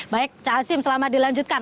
baik cak asim selamat dilanjutkan